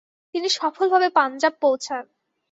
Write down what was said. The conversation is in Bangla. তিনি সফলভাবে পাঞ্জাব পৌছান।